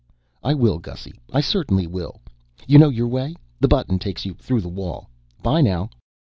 _" "I will, Gussy, I certainly will. You know your way? The button takes you through the wall. 'By, now."